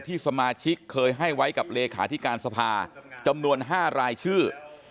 สมาชิกเคยให้ไว้กับเลขาธิการสภาจำนวน๕รายชื่อ